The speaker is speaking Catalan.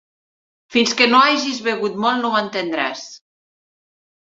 Fins que no hagis begut molt, no ho entendràs.